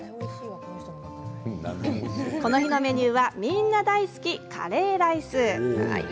この日のメニューはみんな大好きカレーライス。